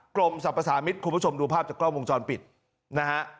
กรมสรรพสามิตรคุณผู้ชมดูภาพจากกล้องวงจรปิดนะฮะ